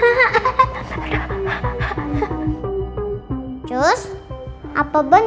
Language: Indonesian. nah kok tiba tiba mbak petundo sih nak